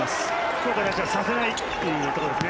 福岡第一にさせないというところですね。